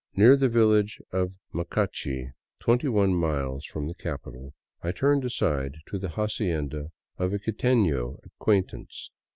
Near the. village of Macachi, twenty one miles from the capital, I turned aside to the hacienda of a quiteiio acquaintance.